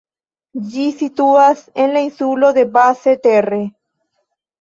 Ĝi situas en la insulo de Basse-Terre.